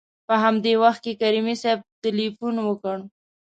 په همدې وخت کې کریمي صیب تلېفون وکړ.